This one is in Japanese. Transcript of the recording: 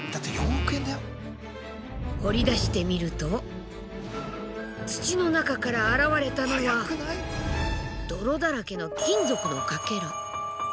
掘り出してみると土の中から現れたのは泥だらけの金属のかけら。